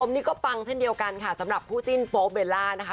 นี่ก็ปังเช่นเดียวกันค่ะสำหรับคู่จิ้นโป๊เบลล่านะคะ